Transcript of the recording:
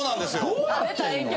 どうなってんの？